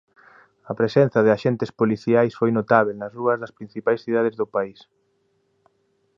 A presenza de axentes policiais foi notábel nas rúas das principais cidades do país.